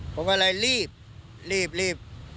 ผมก็เลยรีบรีบ